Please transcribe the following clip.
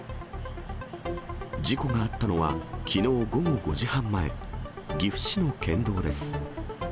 事故があったのは、きのう午後５時半前、岐阜市の県道です。